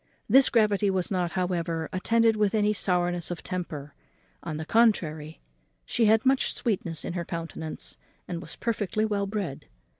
This gravity was not, however, attended with any sourness of temper; on the contrary, she had much sweetness in her countenance, and was perfectly well bred.